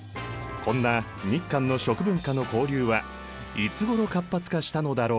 こんな日韓の食文化の交流はいつごろ活発化したのだろうか？